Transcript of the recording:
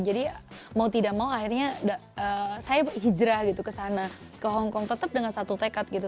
jadi mau tidak mau akhirnya saya hijrah gitu ke sana ke hongkong tetap dengan satu tekad gitu